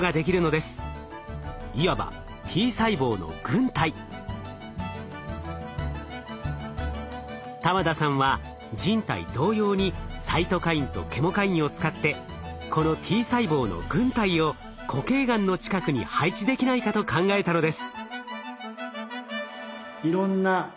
いわば玉田さんは人体同様にサイトカインとケモカインを使ってこのＴ細胞の軍隊を固形がんの近くに配置できないかと考えたのです。